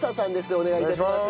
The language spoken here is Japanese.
お願い致します。